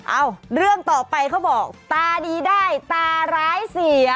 เอ้าเรื่องต่อไปเขาบอกตาดีได้ตาร้ายเสีย